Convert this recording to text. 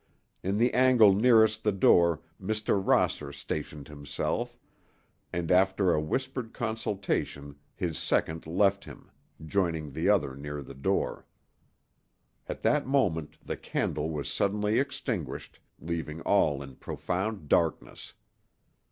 In the angle nearest the door Mr. Rosser stationed himself, and after a whispered consultation his second left him, joining the other near the door. At that moment the candle was suddenly extinguished, leaving all in profound darkness.